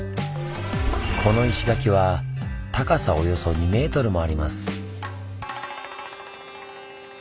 この石垣は高さおよそ２ｍもあります。